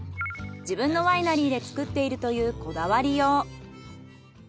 自分のワイナリーで作っているというこだわりよう。